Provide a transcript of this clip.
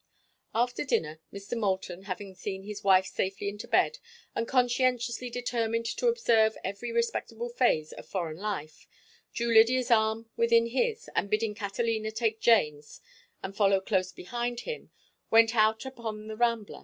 After dinner Mr. Moulton, having seen his wife safely into bed and conscientiously determined to observe every respectable phase of foreign life, drew Lydia's arm within his, and, bidding Catalina take Jane's and follow close behind him, went out upon the Rambla.